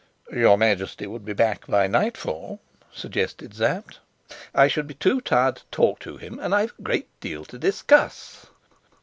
"Your Majesty would be back by nightfall," suggested Sapt. "I should be too tired to talk to him, and I've a great deal to discuss."